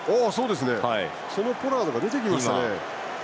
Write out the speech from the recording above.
そのポラードが出てきましたね。